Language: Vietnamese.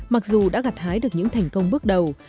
mặc dù đã gặt hái được những thành công bước đầu